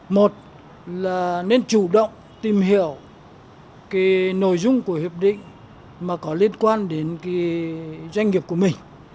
một là nên chủ động tìm hiểu cái nội dung của hiệp định mà có liên quan đến doanh nghiệp của mình